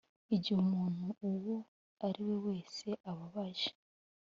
igihe umuntu uwo ari we wese ababaje,